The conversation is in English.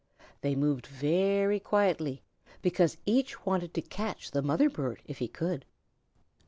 They moved very quietly, because each wanted to catch the mother bird if he could.